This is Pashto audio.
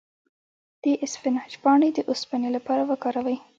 د اسفناج پاڼې د اوسپنې لپاره وکاروئ